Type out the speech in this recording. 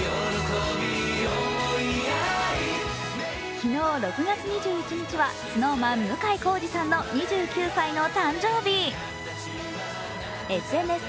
昨日、６月２１日はＳｎｏｗＭａｎ・向井康二さんの２９歳の誕生日。